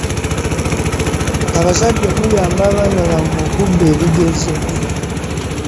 Abazadde muyamba abaana bammwe okubba ebigezo.